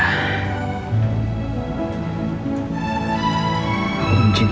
aku harus bicara sekarang